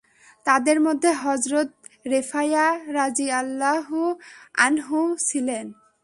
তাদের মধ্যে হযরত রেফায়া রাযিয়াল্লাহু আনহুও ছিল।